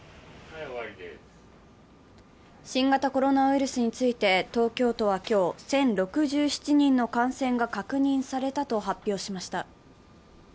新型コロナウイルスについて、東京都は今日、１０６７人の感染が確認されたと発表しました。